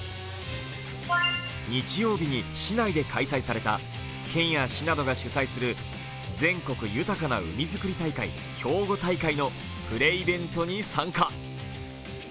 日曜日に市内で開催された県や市などが主催する全国豊かな海づくり大会・兵庫大会のプレイベントに参加。